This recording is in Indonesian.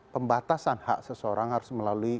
pembatasan hak seseorang harus melalui